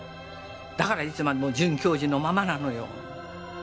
だからいつまでも准教授のままなのよ。